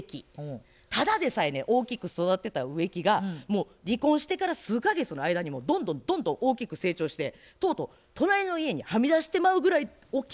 ただでさえね大きく育ってた植木がもう離婚してから数か月の間にどんどんどんどん大きく成長してとうとう隣の家にはみ出してまうぐらいおっきく育ってもうて。